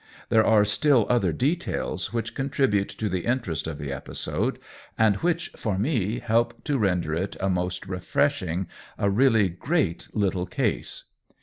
There are still other details which contribute to the interest of the episode, and which, for me, help to ren der it a most refreshing, a really great little case.